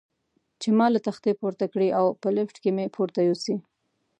چې ما له تختې پورته کړي او په لفټ کې مې پورته یوسي.